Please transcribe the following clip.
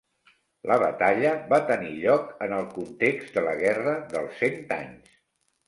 La batalla va tenir lloc en el context de la Guerra dels Cent Anys.